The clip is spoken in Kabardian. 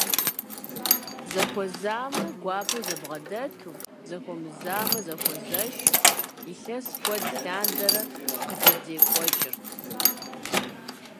Зэхуэзамэ, гуапэу зэбгъэдэту, зэхуэмызэмэ, зэхуэзэшу илъэс куэд лъандэрэ къызэдекӀуэкӀырт.